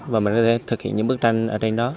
và mình có thể thực hiện những bức tranh ở trên đó